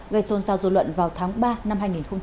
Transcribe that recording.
gây xôn xao dù luận vào tháng ba năm hai nghìn hai mươi hai